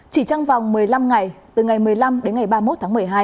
chỉ trong vòng một mươi năm ngày từ ngày một mươi năm đến ngày ba mươi một tháng một mươi hai